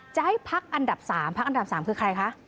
จะให้พักอันดับ๓พักอันดับ๓คือใครคะ